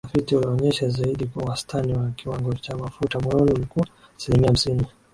Utafiti ulionyesha zaidi kuwa wastani wa kiwango cha mafuta moyoni ulikuwa asilimia hamsini